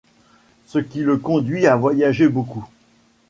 Ce qui le conduit à voyager beaucoup.